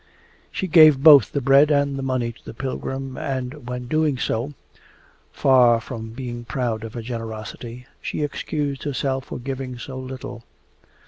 She gave both the bread and the money to the pilgrim, and when doing so far from being proud of her generosity she excused herself for giving so little.